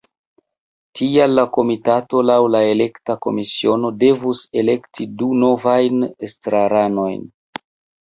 Tial la komitato laŭ la elekta komisiono devus elekti du novajn estraranojn.